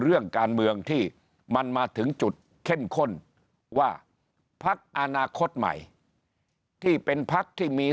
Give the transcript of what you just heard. เรื่องการเมืองที่มันมาถึงจุดเข้มข้นว่าพักอนาคตใหม่ที่เป็นพักที่มี